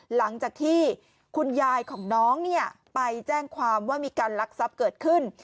หลังจากที่คุณยายของน้องไปแจ้งความว่ามีการลักทรัพย์เกิดขึ้น